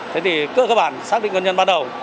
thế thì cơ bản xác định nguyên nhân ban đầu